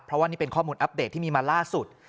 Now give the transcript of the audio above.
เพราะว่านี่เป็นข้อมูลอัปเดตที่มีมาล่าสุด